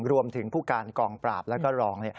รวมถึงผู้การกองปราบแล้วก็รอง